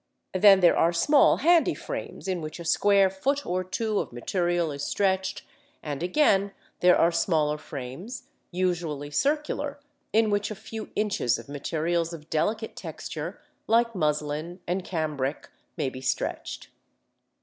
Then there are small handy frames in which a square foot or two of material is stretched; and again there are smaller frames, usually circular, in which a few inches of materials of delicate texture, like muslin and cambric, may be stretched.